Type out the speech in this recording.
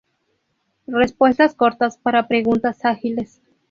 Respuestas cortas para preguntas ágiles.